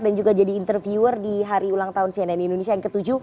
dan juga jadi interviewer di hari ulang tahun cnn indonesia yang ke tujuh